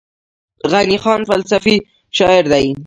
غني خان فلسفي شاعر دی.